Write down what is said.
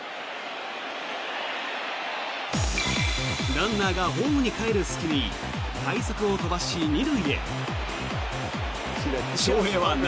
ランナーがホームにかえる隙に快足を飛ばし、２塁へ。